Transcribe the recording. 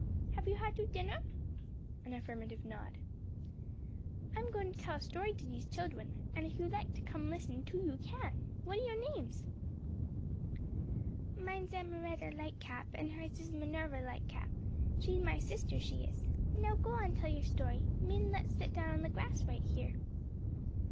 "Have you had your dinner?" An affirmative nod. "I'm going to tell a story to these children, and if you like to come and listen too, you can. What are your names?" "Mine's Emmaretta Lightcap, and hers is Minerva Lightcap. She's my sister, she is. Now go on and tell your story. Min, let's set down on the grass right here."